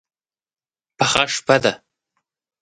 پخه شپه ده.